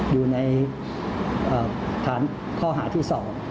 อยู่ในฐานข้อหาที่๒